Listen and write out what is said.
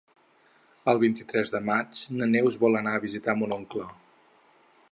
El vint-i-tres de maig na Neus vol anar a visitar mon oncle.